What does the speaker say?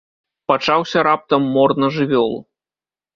Пачаўся раптам мор на жывёлу.